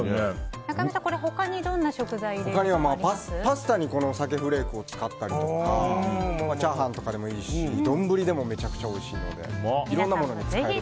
中山さん、他にどんな食材パスタに鮭フレークを入れるとかチャーハンとかでもいいし丼でもめちゃくちゃおいしいのでいろんなものに使えると思います。